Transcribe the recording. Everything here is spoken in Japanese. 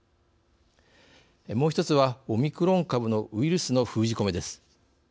もう１つは、オミクロン株のウイルスの封じ込めです。